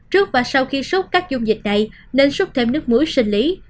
trước và sau khi súc các dung dịch này nên súc thêm nước muối sinh lý